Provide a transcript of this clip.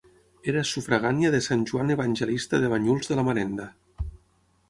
Era sufragània de Sant Joan Evangelista de Banyuls de la Marenda.